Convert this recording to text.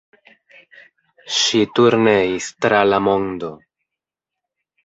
Ŝi turneis tra la mondo.